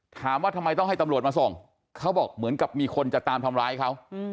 ถามว่าทำไมต้องให้ตำรวจมาส่งเขาบอกเหมือนกับมีคนจะตามทำร้ายเขา